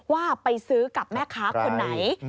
ว่าไปซื้อกับแม่ค้าคนไหน